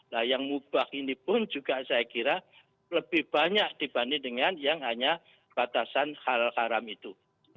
nah yang mubah ini pun juga saya kira lebih banyak dibanding dengan yang hanya batasan hal haram itu